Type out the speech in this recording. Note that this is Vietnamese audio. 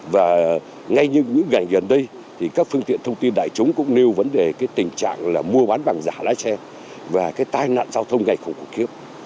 và ngay như những ngành gần đây các phương tiện thông tin đại chúng cũng nêu vấn đề tình trạng mua bán bằng giả lái xe và tai nạn giao thông ngày không cục kiếp